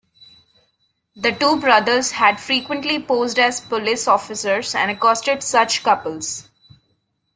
The two brothers had frequently posed as police officers and accosted such couples.